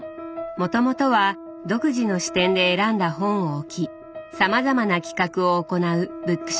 もともとは独自の視点で選んだ本を置きさまざまな企画を行うブックショップを経営。